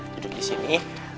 duduk di sini